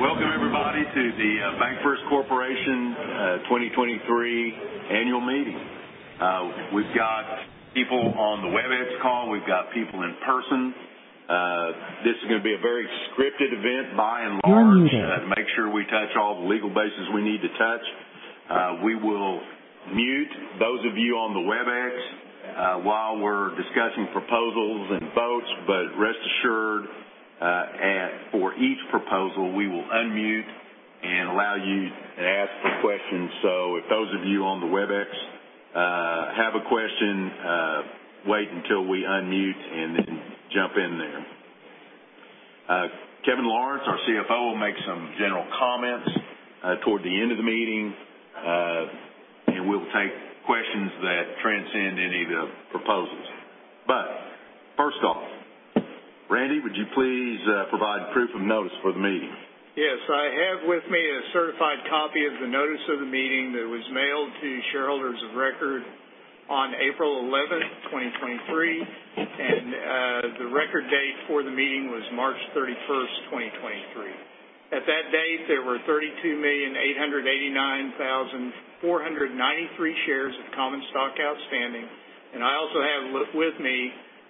Welcome, everybody, to the BancFirst Corporation 2023 annual meeting. We've got people on the Webex call. We've got people in person. This is gonna be a very scripted event, by and large. You're muted. -to make sure we touch all the legal bases we need to touch. We will mute those of you on the Webex while we're discussing proposals and votes. Rest assured, for each proposal, we will unmute and allow you to ask the questions. If those of you on the Webex have a question, wait until we unmute, and then jump in there. Kevin Lawrence, our CFO, will make some general comments toward the end of the meeting, and we'll take questions that transcend any of the proposals. First off, Randy, would you please provide proof of notice for the meeting? Yes, I have with me a certified copy of the notice of the meeting that was mailed to shareholders of record on April 11, 2023, and the record date for the meeting was March 31, 2023. At that date, there were 32,889,493 shares of common stock outstanding, and I also have with me,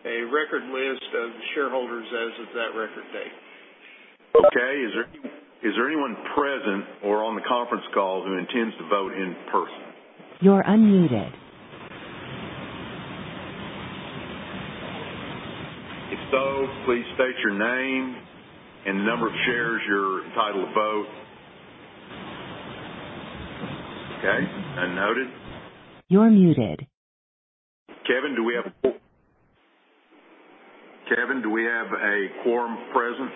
a record list of the shareholders as of that record date. Okay. Is there anyone present or on the conference call who intends to vote in person? You're unmuted. If so, please state your name and the number of shares you're entitled to vote. Okay, and noted. You're muted. Kevin, do we have a quorum present?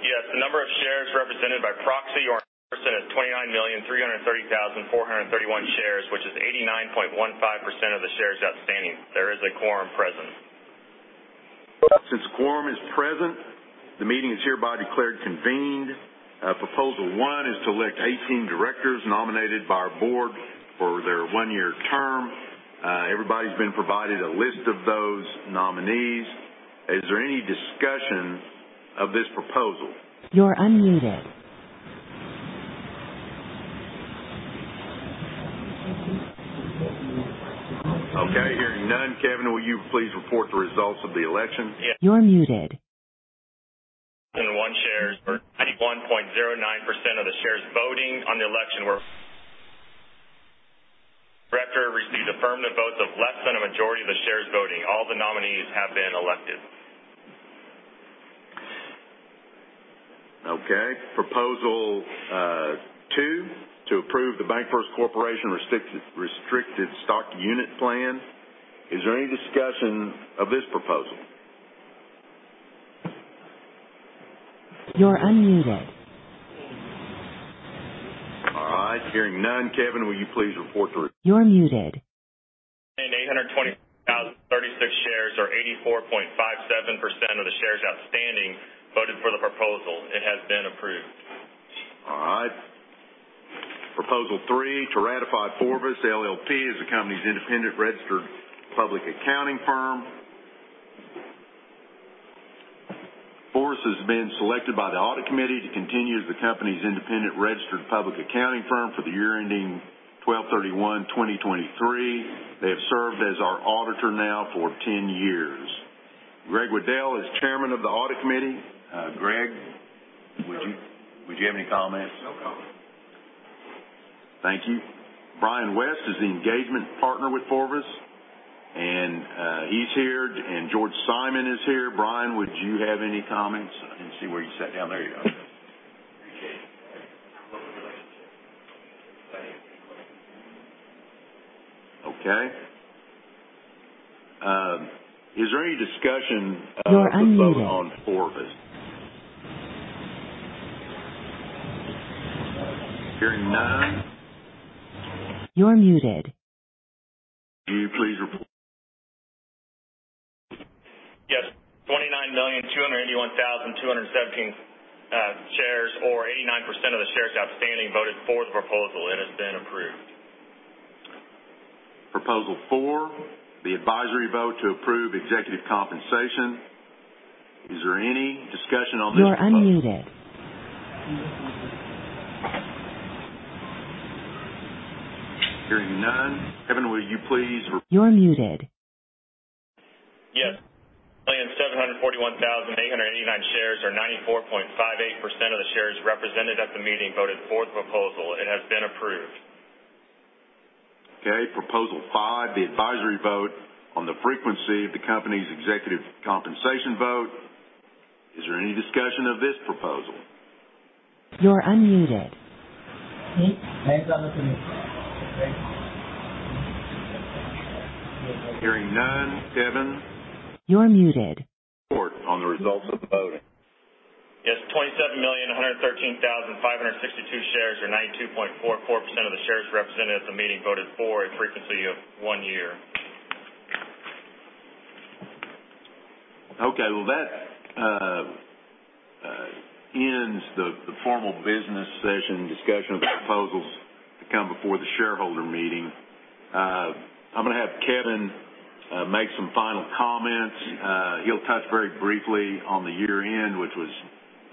Yes, the number of shares represented by proxy or person is 29,330,431 shares, which is 89.15% of the shares outstanding. There is a quorum present. Since quorum is present, the meeting is hereby declared convened. Proposal one is to elect 18 directors nominated by our board for their 1-year term. Everybody's been provided a list of those nominees. Is there any discussion of this proposal? You're unmuted. Okay, hearing none, Kevin, will you please report the results of the election? You're muted. 1 shares, or 81.09% of the shares voting on the election were. Director received affirmative votes of less than a majority of the shares voting. All the nominees have been elected. Okay. Proposal, 2, to approve the BancFirst Corporation Restricted Stock Unit Plan. Is there any discussion of this proposal? You're unmuted. All right. Hearing none, Kevin, will you please report the re- You're muted. 820,036 shares, or 84.57% of the shares outstanding, voted for the proposal. It has been approved. All right. Proposal 3, to ratify Forvis, LLP as the company's independent registered public accounting firm. Forvis has been selected by the audit committee to continue as the company's independent registered public accounting firm for the year ending 12/31/2023. They have served as our auditor now for 10 years. Greg Waddell is Chairman of the Audit Committee. Greg, would you have any comments? No comment. Thank you. Brian West is the engagement partner with Forvis, he's here, and George G. Cohlmia is here. Brian, would you have any comments? I didn't see where you sat down. There you go. Appreciate it. Okay. Is there any discussion? You're unmuted. -on Forvis? Hearing none. You're muted. Will you please report? Yes. 29,281,217 shares, or 89% of the shares outstanding, voted for the proposal. It has been approved. Proposal four, the advisory vote to approve executive compensation. Is there any discussion on this proposal? You're unmuted. Hearing none. Kevin, will you please re- You're muted. Yes. 741,889 shares, or 94.58% of the shares represented at the meeting, voted for the proposal. It has been approved. Okay, proposal 5, the advisory vote on the frequency of the company's executive compensation vote. Is there any discussion of this proposal? You're unmuted. Depends on the committee. Hearing none, Kevin- You're muted. report on the results of the voting. Yes, 27,113,562 shares, or 92.44% of the shares represented at the meeting, voted for a frequency of 1 year. Okay. Well, that ends the formal business session discussion of the proposals to come before the shareholder meeting. I'm gonna have Kevin make some final comments. He'll touch very briefly on the year-end, which was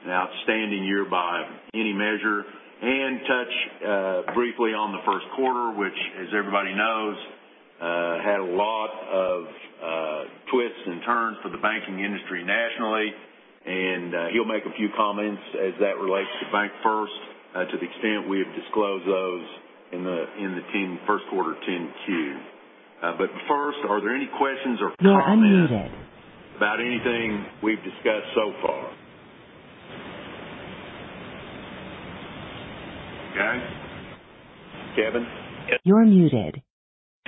an outstanding year by any measure, and touch briefly on the first quarter, which, as everybody knows, had a lot of twists and turns for the banking industry nationally. He'll make a few comments as that relates to BancFirst, to the extent we have disclosed those in the first quarter 10-Q. First, are there any questions or comments? You're unmuted. about anything we've discussed so far? Guys? Kevin? You're muted. 2022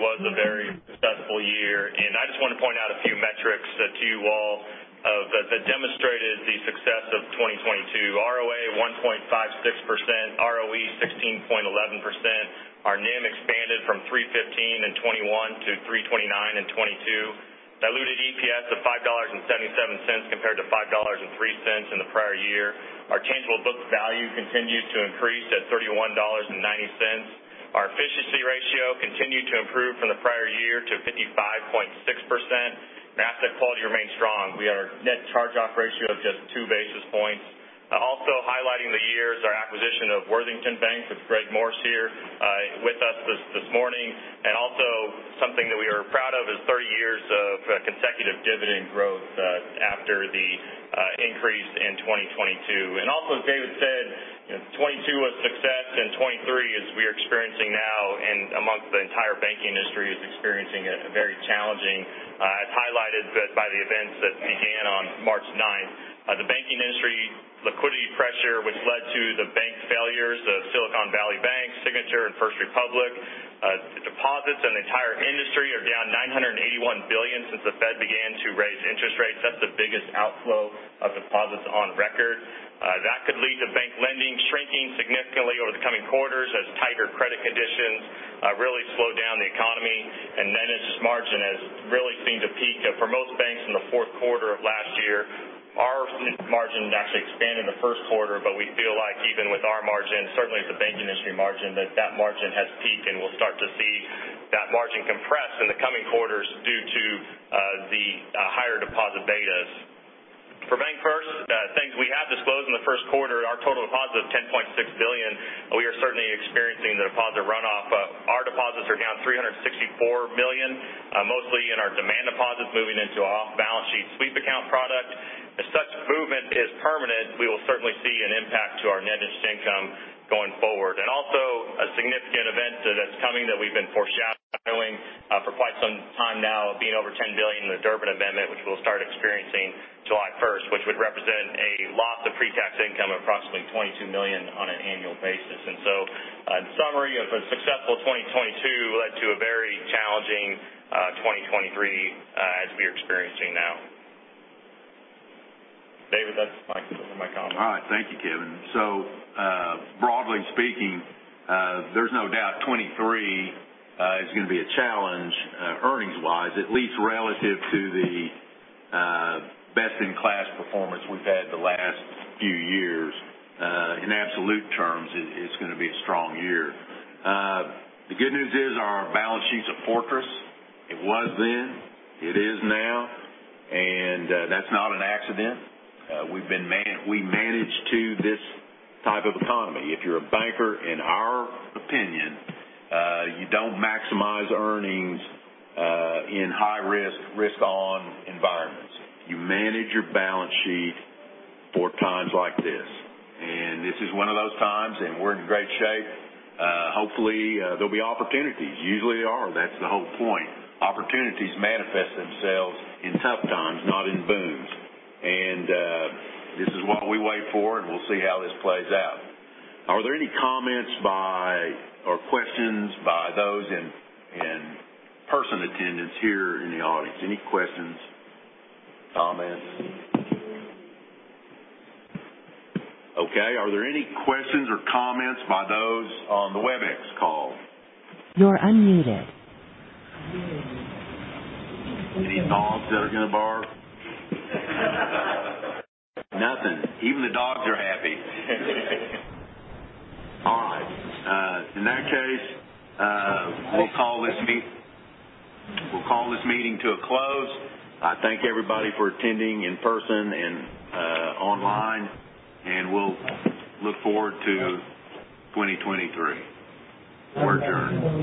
was a very successful year, and I just want to point out a few metrics to you all, that demonstrated the success of 2022. ROA 1.56%, ROE 16.11%. Our NIM expanded from 3.15% in 2021 to 3.29% in 2022. Diluted EPS of $5.77, compared to $5.03 in the prior year. Our tangible book value continued to increase at $31.90. Our Efficiency Ratio continued to improve from the prior year to 55.6%, and asset quality remains strong. We had our Net Charge-Off Ratio of just 2 basis points. Also highlighting the year is our acquisition of Worthington Bank, with Greg Morse here, with us this morning. Also something that we are proud of is 30 years of consecutive dividend growth after the increase in 2022. Also, as David said, you know, 2022 was a success, and 2023, as we are experiencing now, and amongst the entire banking industry, is experiencing a very challenging. As highlighted by the events that began on March 9th, the banking industry liquidity pressure, which led to the bank failures of Silicon Valley Bank, Signature, and First Republic. The deposits in the entire industry are down $981 billion since the Fed began to raise interest rates. That's the biggest outflow of deposits on record. That could lead to bank lending shrinking significantly over the coming quarters as tighter credit conditions really slow down the economy. Net Interest Margin has really seemed to peak for most banks in the fourth quarter of last year. Our margin actually expanded in the first quarter, but we feel like even with our margin, certainly the bank industry margin, that that margin has peaked, and we'll start to see that margin compress in the coming quarters due to the higher Deposit Betas. For BancFirst, things we have disclosed in the first quarter, our total deposits of $10.6 billion, we are certainly experiencing the deposit runoff. Our deposits are down $364 million, mostly in our demand deposits, moving into an off-balance sheet sweep account product. If such movement is permanent, we will certainly see an impact to our Net Interest Income going forward. Also a significant event that's coming that we've been foreshadowing for quite some time now, being over $10 billion, the Durbin Amendment, which we'll start experiencing July 1st, which would represent a loss of pre-tax income of approximately $22 million on an annual basis. In summary, of a successful 2022 led to a very challenging 2023 as we are experiencing now. David, that's my comments. All right. Thank you, Kevin. Broadly speaking, there's no doubt 2023 is gonna be a challenge earnings-wise, at least relative to the best-in-class performance we've had the last few years. In absolute terms, it's gonna be a strong year. The good news is, our balance sheet's a fortress. It was then, it is now, and that's not an accident. We manage to this type of economy. If you're a banker, in our opinion, you don't maximize earnings in high-risk, risk-on environments. You manage your balance sheet for times like this, and this is one of those times, and we're in great shape. Hopefully, there'll be opportunities. Usually, there are. That's the whole point. Opportunities manifest themselves in tough times, not in booms. This is what we wait for, and we'll see how this plays out. Are there any comments by, or questions by those in-person attendance here in the audience? Any questions, comments? Okay, are there any questions or comments by those on the Webex call? You're unmuted. Any dogs that are gonna bark? Nothing. Even the dogs are happy. All right, in that case, we'll call this meeting to a close. I thank everybody for attending in person and online, and we'll look forward to 2023. We're adjourned.